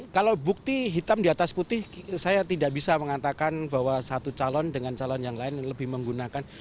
kalau bukti hitam di atas putih saya tidak bisa mengatakan bahwa satu calon dengan calon yang lain lebih menggunakan